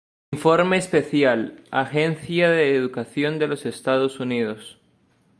Informe especial, Agencia de Educación de los Estados Unidos.